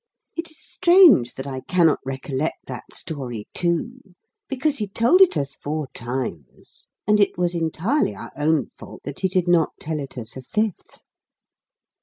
It is strange that I cannot recollect that story too, because he told it us four times. And it was entirely our own fault that he did not tell it us a fifth.